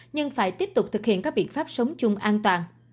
nhưng phải tiếp tục thực hiện các biện pháp sống chung an toàn